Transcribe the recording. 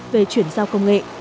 về chuyển giao công nghệ